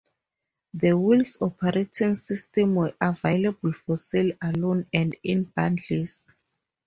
The Wheels operating systems were available for sale alone and in bundles.